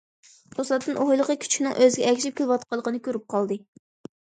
توساتتىن ئۇ ھېلىقى كۈچۈكنىڭ ئۆزىگە ئەگىشىپ كېلىۋاتقانلىقىنى كۆرۈپ قالدى.